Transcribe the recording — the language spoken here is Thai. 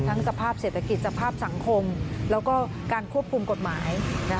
สภาพเศรษฐกิจสภาพสังคมแล้วก็การควบคุมกฎหมาย